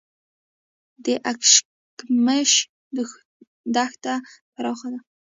د اشکمش دښته پراخه ده